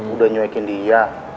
udah nyuekin dia